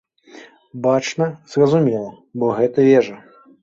Бачна, зразумела, бо гэта вежа!